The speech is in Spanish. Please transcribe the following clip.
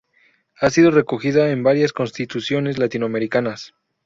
Ha sido recogida en varias constituciones latinoamericanas.